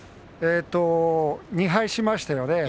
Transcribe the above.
２敗しましたよね